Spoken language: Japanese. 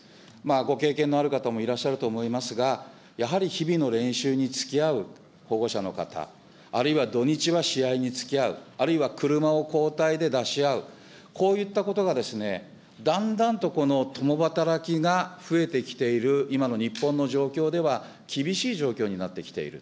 ご経験のある方もいらっしゃると思いますが、やはり日々の練習につきあう保護者の方、あるいは土日は試合につきあう、あるいは車を交代で出し合う、こういったことがですね、だんだんとこの共働きが増えてきている今の日本の状況では、厳しい状況になってきている。